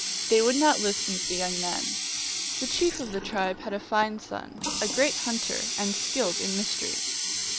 They would not listen to the young men. The chief of the tribe had a fine son, a great hunter, and skilled in mysteries.